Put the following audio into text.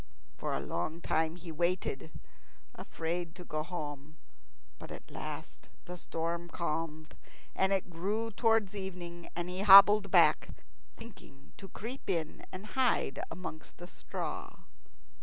For a long time he waited, afraid to go home; but at last the storm calmed, and it grew towards evening, and he hobbled back, thinking to creep in and hide amongst the straw.